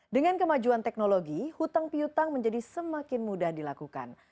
dengan kemajuan teknologi hutang piutang menjadi semakin mudah dilakukan